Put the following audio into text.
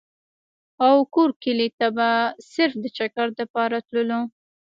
او کور کلي ته به صرف د چکر دپاره تللو ۔